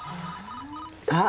あっ！